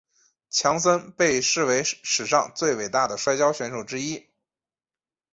强森被视为史上最伟大的摔角选手之一。